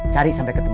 cari sampai ketemu